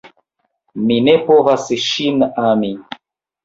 Mi ne povas ŝin ami!